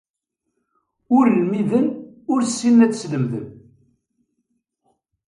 Ur lmiden, ur ssinen ad slemden.